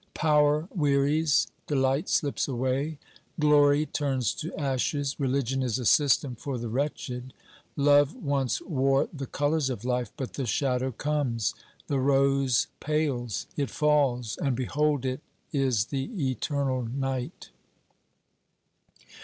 Power wearies, delight slips away, glory turns to ashes, religion is a system for the wretched, love once wore the colours of life, but the shadow comes, the rose pales, it falls, and behold it is the eternal night